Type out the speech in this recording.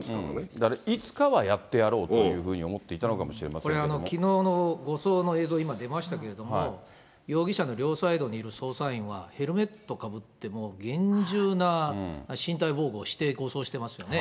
だからいつかはやってやろうというふうに思っていたのかもしこれ、きのうの護送の映像、今、出ましたけども、容疑者の両サイドにいる捜査員は、ヘルメットかぶって、もう厳重な身体で護送してますよね。